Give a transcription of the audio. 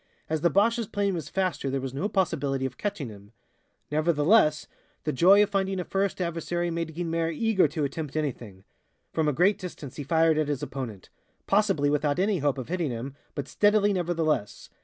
As the Boche's plane was faster there was no possibility of catching him. Nevertheless, the joy of finding a first adversary made Guynemer eager to attempt anything. From a great distance he fired at his opponent possibly without any hope of hitting him, but steadily nevertheless.